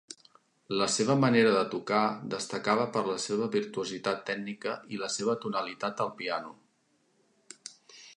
La seva manera de tocar destacava per la seva virtuositat tècnica i la seva tonalitat al piano.